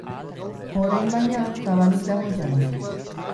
Orain, baina, zabalik dago jada.